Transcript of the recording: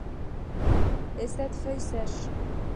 Et cette feuille sèche!